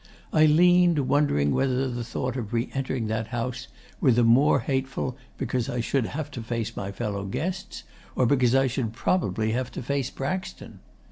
I leaned wondering whether the thought of re entering that house were the more hateful because I should have to face my fellow guests or because I should probably have to face Braxton.